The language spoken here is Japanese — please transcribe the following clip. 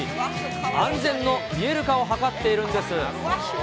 安全の見える化を図っているんです。